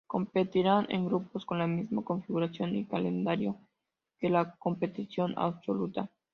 Competirán en grupos con la misma configuración y calendario que la competición absoluta.